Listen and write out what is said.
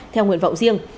theo nguyện vọng riêng